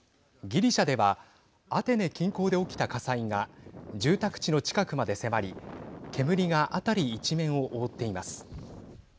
ギリシャではアテネ近郊で起きた火災が住宅地の近くまで迫り煙が辺り一面を覆っています。